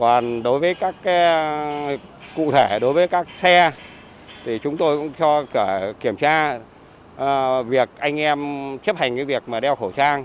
còn đối với các cụ thể đối với các xe thì chúng tôi cũng cho kiểm tra việc anh em chấp hành cái việc mà đeo khẩu trang